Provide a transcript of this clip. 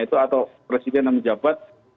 atau presiden yang menjabat